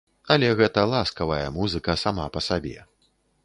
Але гэта ласкавая музыка сама па сабе.